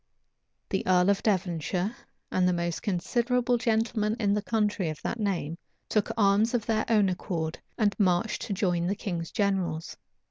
The earl of Devonshire, and the most considerable gentlemen in the county of that name, took arms of their own accord, and marched to join the king's generals.